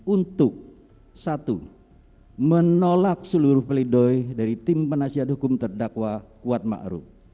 untuk satu menolak seluruh peledoi dari tim penasihat hukum terdakwa kuat ma'ru